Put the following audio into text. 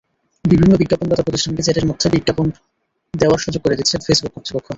বিভিন্ন বিজ্ঞাপনদাতা প্রতিষ্ঠানকে চ্যাটের মধ্যে বিজ্ঞাপন দেওয়ার সুযোগ করে দিচ্ছে ফেসবুক কর্তৃপক্ষ।